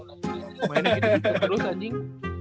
mainin gitu terus anjing